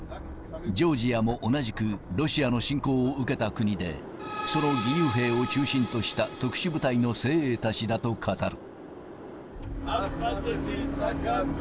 ジョージアも同じくロシアの侵攻を受けた国で、その義勇兵を中心とした、特殊部隊の精鋭たちだと語る。